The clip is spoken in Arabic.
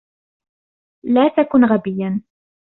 لا تكن غبيا.